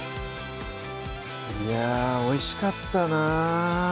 いやぁおいしかったなぁ